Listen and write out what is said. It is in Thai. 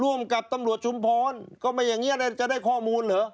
ร่วมกับตำรวจชุมพรก็ไม่อย่างนี้นะจะได้ข้อมูลเหรอ